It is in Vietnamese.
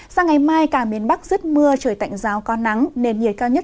sáng ngày mai cả miền bắc giứt mưa trời tạnh rào có nắng nền nhiệt cao nhất